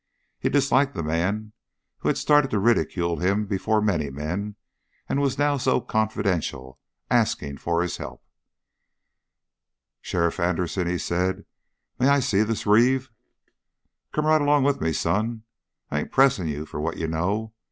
He disliked the man who had started to ridicule him before many men and was now so confidential, asking his help. "Sheriff Anderson," he said, "may I see this Reeve?" "Come right along with me, son. I ain't pressing you for what you know.